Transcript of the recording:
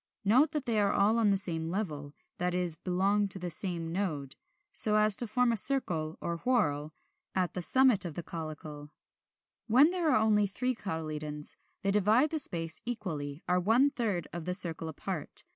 Note that they are all on the same level, that is, belong to the same node, so as to form a circle or whorl at the summit of the caulicle. When there are only three cotyledons, they divide the space equally, are one third of the circle apart.